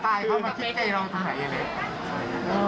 สไตล์เค้ามาคิดใจลองถ่ายอันเล็ก